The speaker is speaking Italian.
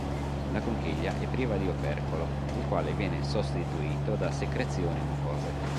La conchiglia è priva di opercolo il quale viene sostituito da secrezioni mucose.